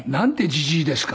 じじいですか。